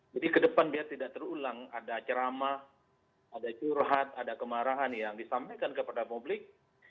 jadi kedepan biar tidak terulang ada ceramah ada curhat ada kemarahan yang disampaikan kepada publik